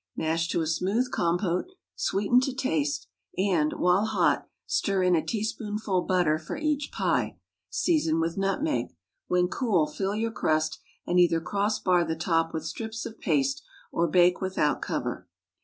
Mash to a smooth compote, sweeten to taste, and, while hot, stir in a teaspoonful butter for each pie. Season with nutmeg. When cool, fill your crust, and either cross bar the top with strips of paste, or bake without cover.